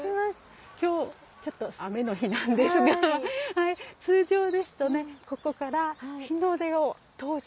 今日ちょっと雨の日なんですが通常ですと。